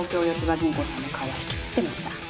銀行さんの顔は引きつってました。